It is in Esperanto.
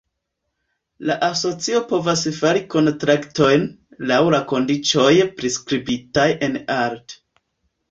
La Asocio povas fari kontraktojn, laŭ la kondiĉoj priskribitaj en art.